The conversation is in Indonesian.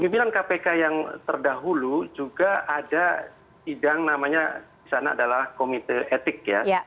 pimpinan kpk yang terdahulu juga ada sidang namanya di sana adalah komite etik ya